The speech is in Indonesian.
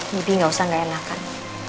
bibi gak usah gak enakan